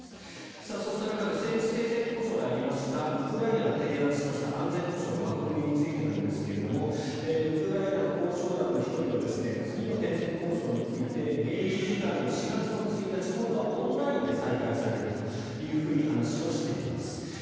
そうした中で先日、停戦交渉でありましたウクライナが提案した安全保障の枠組みについてウクライナの交渉団の１人は次の停戦交渉について現地時間の４月１日今度はオンラインで再開されると話をしています。